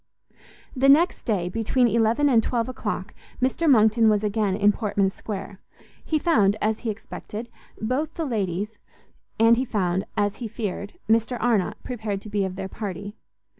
The next day, between eleven and twelve o'clock, Mr Monckton was again in Portman Square; he found, as he expected, both the ladies, and he found, as he feared, Mr Arnott prepared to be of their party.